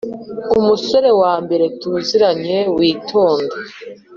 Umusore wambere tuziranye witonda